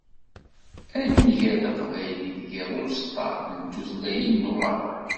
Ad nger taqbaylit gar uẓeṭṭa n tutlayin n umaḍal.